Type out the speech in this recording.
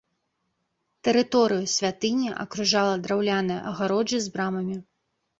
Тэрыторыю святыні акружала драўляная агароджа з брамамі.